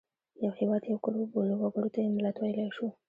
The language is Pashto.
که یو هېواد یو کور وبولو وګړو ته یې ملت ویلای شو.